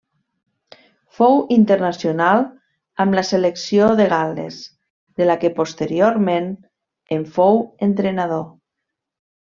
Fou internacional amb la selecció de Gal·les, de la que posteriorment en fou entrenador.